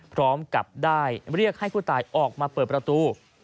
พร้อมกับได้เรียกให้ผู้ตายออกมาเปิดประตู